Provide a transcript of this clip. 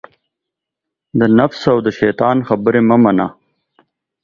د نفس او دشیطان خبرې مه منه